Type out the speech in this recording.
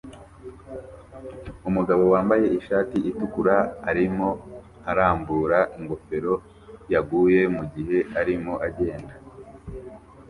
Umugabo wambaye ishati itukura arimo arambura ingofero yaguye mugihe arimo agenda